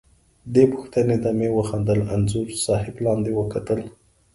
دې پوښتنې ته مې وخندل، انځور صاحب لاندې وکتل.